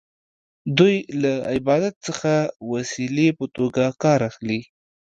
دوی له عبادت څخه د وسیلې په توګه کار اخلي.